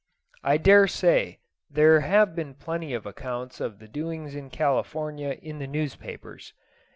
I dare say there have been plenty of accounts of the doings in California in the newspapers.